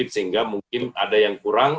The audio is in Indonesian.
sehingga mungkin ada yang kurang